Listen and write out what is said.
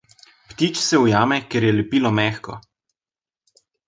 Ptič se ujame, ker je lepilo mehko.